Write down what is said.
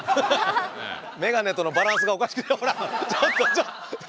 メガネとのバランスがおかしくほらちょっとちょっと。